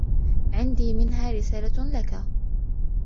عندي منها رسالة لك.